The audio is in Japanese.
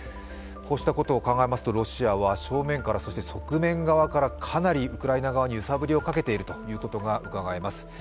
こうしたことを考えますとロシアは正面から、そして側面側からかなりウクライナ側に揺さぶりをかけているということがうかがえます。